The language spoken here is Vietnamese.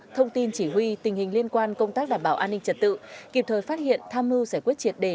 thông tin chỉ huy tình hình liên quan công tác đảm bảo an ninh trật tự kịp thời phát hiện tham mưu giải quyết triệt đề